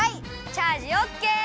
チャージオッケー！